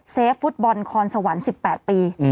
ฟฟุตบอลคอนสวรรค์๑๘ปี